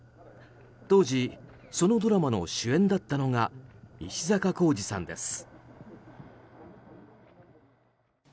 当時そのドラマの主演だったのが石坂浩二さんです。